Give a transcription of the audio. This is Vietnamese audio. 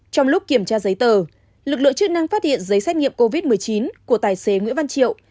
trong lúc kiểm tra giấy tờ lực lượng chức năng phát hiện giấy xét nghiệm covid một mươi chín của tài xế nguyễn văn triệu